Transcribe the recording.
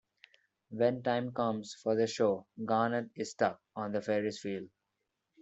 When the time comes for the show, Garnet is stuck on the Ferris wheel.